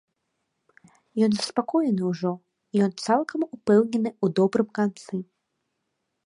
Ён заспакоены ўжо, ён цалкам упэўнены ў добрым канцы.